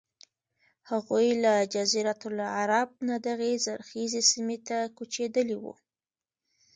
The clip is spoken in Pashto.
هغوی له جزیرة العرب نه دغې زرخیزې سیمې ته کوچېدلي وو.